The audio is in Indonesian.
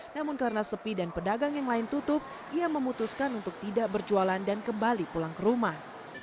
namun karena sepi dan pedagang yang lain tutup ia memutuskan untuk tidak berjualan dan kembali pulang ke rumah